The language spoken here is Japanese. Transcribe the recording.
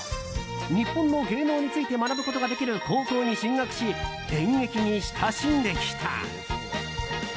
日本の芸能について学ぶことができる高校に進学し演劇に親しんできた。